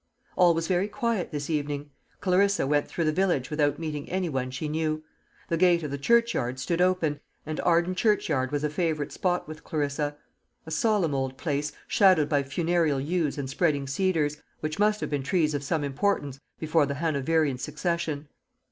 All was very quiet this evening. Clarissa went through the village without meeting any one she knew. The gate of the churchyard stood open, and Arden churchyard was a favourite spot with Clarissa. A solemn old place, shadowed by funereal yews and spreading cedars, which must have been trees of some importance before the Hanoverian succession.